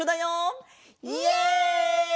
イエイ！